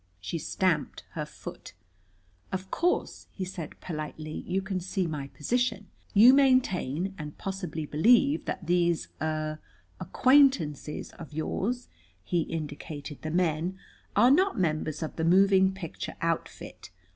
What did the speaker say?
She stamped her foot. "Of course," he said politely, "you can see my position. You maintain and possibly believe that these er acquaintances of yours" he indicated the men "are not members of the moving picture outfit.